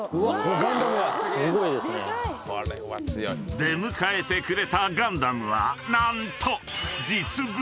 ［出迎えてくれたガンダムは何と］